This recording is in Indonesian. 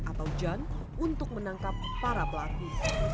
atau jan untuk menangkap para pelaku